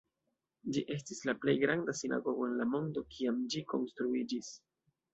Ĝi estis la plej granda sinagogo en la mondo, kiam ĝi konstruiĝis.